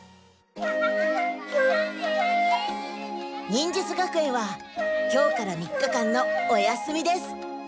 忍術学園は今日から３日間のお休みです。